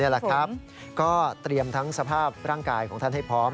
แหละครับก็เตรียมทั้งสภาพร่างกายของท่านให้พร้อม